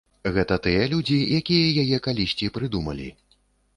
Гэта тыя людзі, якія яе калісьці прыдумалі.